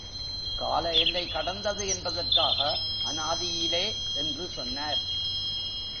கால எல்லை கடந்தது என்பதற்காக, அநாதியிலே என்று சொன்னார்.